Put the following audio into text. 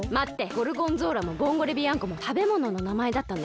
ゴルゴンゾーラもボンゴレビアンコもたべものの名前だったんだよ。